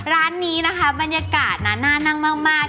ร้านนี้นะคะบรรยากาศนั้นน่านั่งมาก